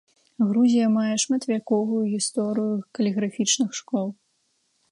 Грузія мае шматвяковую гісторыю каліграфічных школ.